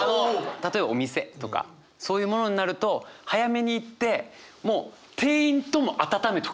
例えばお店とかそういうものになると早めに行ってもう店員とも温めとく！